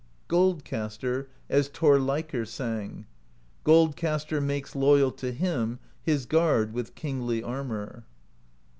Gold Caster, as Thorleikr sang: Gold Caster makes loyal to him His guard with kingly armor.